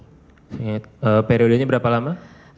seingat periodenya berapa lama